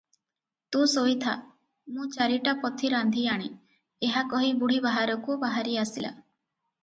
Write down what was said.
“ତୁ ଶୋଇଥା’, ମୁଁ ଚାରିଟା ପଥି ରାନ୍ଧି ଆଣେଁ,” ଏହା କହି ବୁଢ଼ୀ ବାହାରକୁ ବାହାରି ଆସିଲା ।